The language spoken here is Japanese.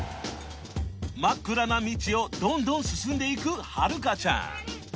真っ暗な道をどんどん進んでいくはるかちゃん